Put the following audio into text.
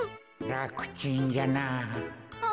らくちんじゃなあ。